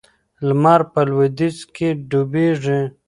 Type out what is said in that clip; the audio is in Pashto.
لمر په لویدیځ کې ډوبیږي.